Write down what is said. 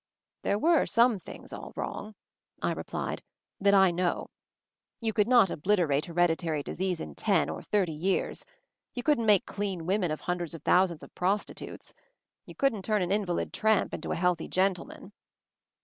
I "There were some things all wrong," I re plied, "that I know. You could not obliter ate hereditary disease in ten — or thirty years. You couldn't make clean women of hundreds of thousands of prostitutes. You couldn't turn an invalid tramp into a healthy gentleman."